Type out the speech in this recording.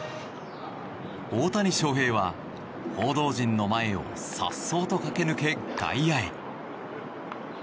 大谷翔平は報道陣の前を颯爽と駆け抜け外野へ。